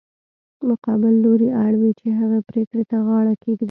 مقابل لوری اړ وي چې هغې پرېکړې ته غاړه کېږدي.